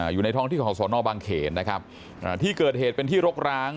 อยู่ในท้องที่ของสอนอบางเขนนะครับที่เกิดเหตุเป็นที่รกร้าง